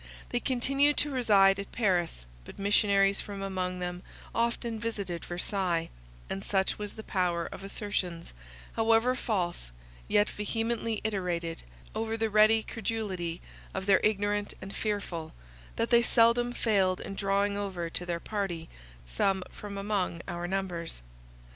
They continued to reside at Paris; but missionaries from among them often visited Versailles—and such was the power of assertions, however false, yet vehemently iterated, over the ready credulity of the ignorant and fearful, that they seldom failed in drawing over to their party some from among our numbers.